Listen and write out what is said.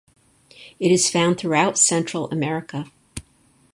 It is found throughout Central America.